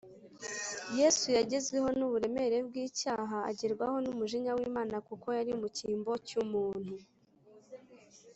yesu yagezweho n’uburemere bw’icyaha, agerwaho n’umujinya w’imana kuko yari mu cyimbo cy’umuntu